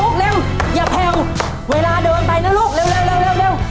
รุกเร็วอย่าแผ่วเวลาเดินไปนะลูกเร็วเร็วเร็วเร็วเร็ว